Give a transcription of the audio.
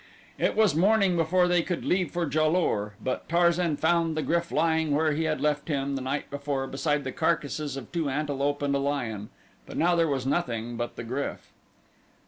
It was morning before they could leave for Ja lur, but Tarzan found the GRYF lying where he had left him the night before beside the carcasses of two antelope and a lion; but now there was nothing but the GRYF.